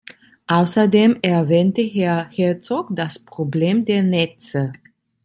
Außerdem erwähnte Herr Herzog das Problem der Netze.